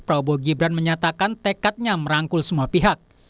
prabowo gibran menyatakan tekadnya merangkul semua pihak